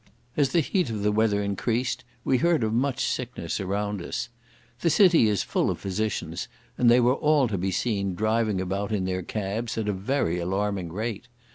As the heat of the weather increased we heard of much sickness around us. The city is full of physicians, and they were all to be seen driving about in their cabs at a very alarming rate.